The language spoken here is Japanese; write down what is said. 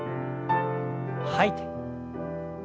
吐いて。